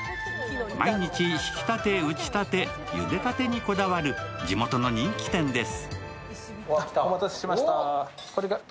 毎日ひきたて、打ちたて、ゆでたてにこだわる地元の人気店です。